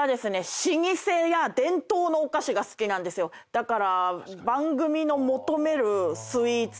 だから。